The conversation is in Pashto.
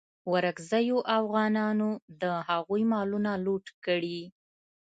ورکزیو اوغانانو د هغوی مالونه لوټ کړي.